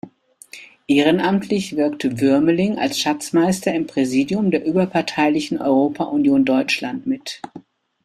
Ehrenamtlich wirkt Wuermeling als Schatzmeister im Präsidium der überparteilichen Europa-Union Deutschland mit.